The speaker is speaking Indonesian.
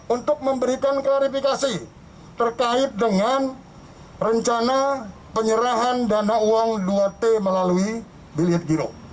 untuk memberikan klarifikasi terkait dengan rencana penyerahan dana uang dua t melalui bilit giro